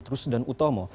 terus dan utama